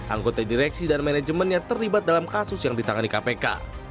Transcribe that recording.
anggota direksi dan manajemennya terlibat dalam kasus yang ditangani kpk